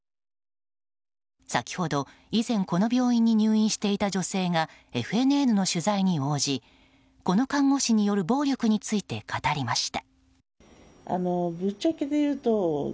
先ほど、以前この病院に入院していた女性がＦＮＮの取材に応じこの看護師による暴力について語りました。